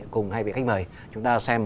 cùng hai vị khách mời chúng ta xem